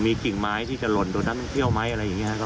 มีกิ่งไม้ที่จะหล่นโดนนักท่องเที่ยวไหมอะไรอย่างนี้ครับ